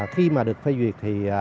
khi mà được phê duyệt thì